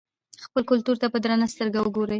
خپل کلتور ته په درنه سترګه وګورئ.